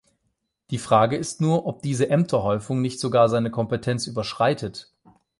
Die Frage ist nur, ob diese Ämterhäufung nicht sogar seine Kompetenz überschreitet.